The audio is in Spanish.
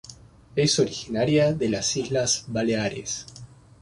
Es originaria de las Islas Baleares.